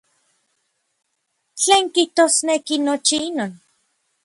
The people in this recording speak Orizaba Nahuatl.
¿Tlen kijtosneki nochi inon?